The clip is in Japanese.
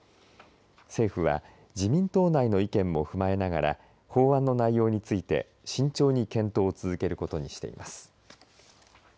政府は自民党内の意見も踏まえながら法案の内容について慎重に検討を続けることにしています。